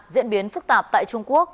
diễn biến phức tạp tại trung quốc